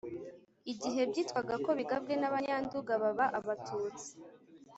igihe, byitwaga ko bigabwe n'abanyanduga, baba abatutsi